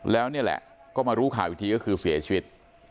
แล้วนี่แหละก็มารู้ข่าวอีกทีก็คือเสียชีวิต